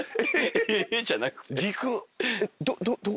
「えっ？」じゃなくて。